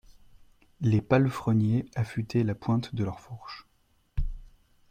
Les palefreniers affûtaient la pointe de leurs fourches.